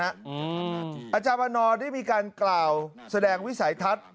อาจารย์วันนอร์ได้มีการกล่าวแสดงวิสัยทัศน์